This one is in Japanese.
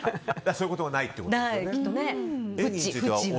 そういうこともないってことですよね。